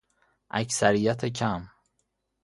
اکثریت کم